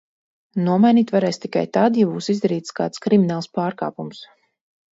Nomainīt varēs tikai tad, ja būs izdarīts kāds krimināls pārkāpums.